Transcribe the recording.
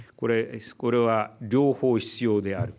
これは両方必要である。